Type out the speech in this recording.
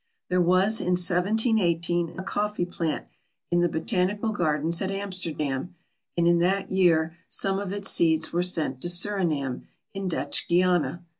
There was in 1718 a coffee plant in the botanical gardens at Amsterdam, and in that year some of its seeds were sent to Surinam, in Dutch Guiana.